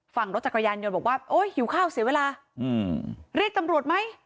ฝั่งรถจักรยานยนต์บอกว่าโอ๊ยหิวข้าวเสียเวลาเรียกตำรวจไหม